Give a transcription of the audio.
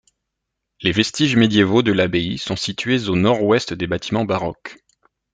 Les vestiges médiévaux de l'abbaye sont situés au nord-ouest des bâtiments baroques.